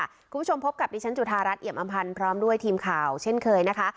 คุณผู้ชมพบกับดิฉันจุธารัฐเอี่ยมอำพันธ์พร้อมด้วยทีมข่าวเช่นเคยนะคะ